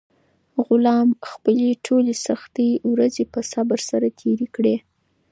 غلام خپلې ټولې سختې ورځې په صبر سره تېرې کړې وې.